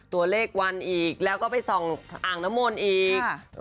ตัวเลขวันอีกแล้วก็ไปส่องอ่างน้ำมนต์อีก